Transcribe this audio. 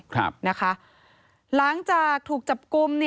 ครับนะคะหลังจากถูกจับกลุ่ม